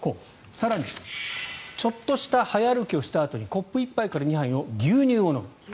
更にちょっとした早歩きをしたあとにコップ１杯から２杯の牛乳を飲む。